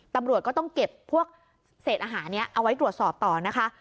ตำรวจก็ต้องเก็บพวกเศษอาหารนี้เอาไว้ตรวจสอบต่อนะคะ